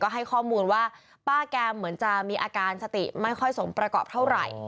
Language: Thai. ให้ข้อมูลว่าป้าแกเหมือนจะมีอาการสติไม่ค่อยสมประกอบเท่าไหร่